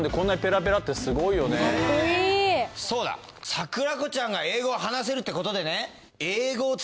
さくらこちゃんが英語を話せるってことでね。